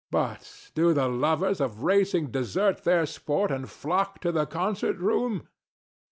But do the lovers of racing desert their sport and flock to the concert room?